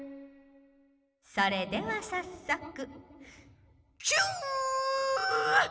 「それではさっそくキュッ！」。